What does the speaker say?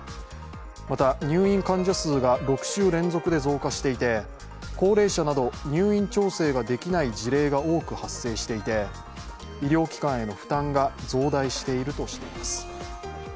また入院患者数が６週連続で増加していて高齢者など入院調整ができない事例が多く発生していて医療機関への負担が増大しているとしています。